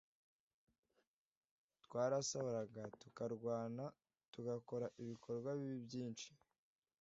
twarasahuraga tukarwana tugakora ibikorwa bibi byinshi